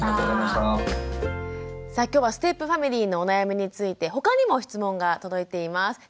さあ今日はステップファミリーのお悩みについて他にも質問が届いています。